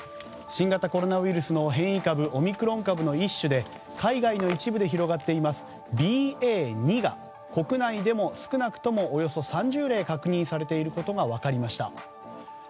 新型コロナウイルスの変異株オミクロン株の一種で海外の一部で広がっていますＢＡ．２が国内でも少なくともおよそ３０例確認されていることが分かりました。